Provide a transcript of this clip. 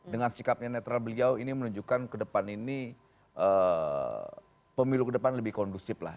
dengan sikapnya netral beliau ini menunjukkan ke depan ini pemilu ke depan lebih kondusif lah